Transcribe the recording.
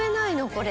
これ。